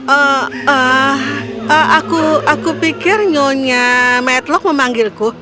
eee eee eee aku aku pikirnya nya matlock memanggilku